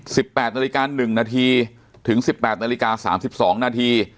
แปดนาฬิกาหนึ่งนาทีถึงสิบแปดนาฬิกาสามสิบสองนาที